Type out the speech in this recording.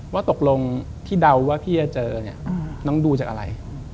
ว่าตกลงที่เดาว่าพี่จะเจอเนี่ยน้องดูจากอะไร